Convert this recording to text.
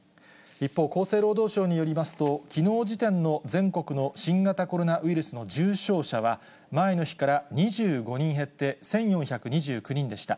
一方、厚生労働省によりますと、きのう時点の全国の新型コロナウイルスの重症者は、前の日から２５人減って１４２９人でした。